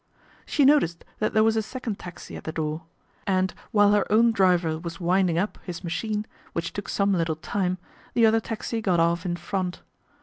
She noticed that there was a second taxi at the door, and while her own driver was " winding up " his machine, which took some little time, the other taxi got off in front.